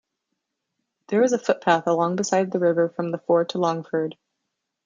There was a footpath along beside the river from the ford to Longford.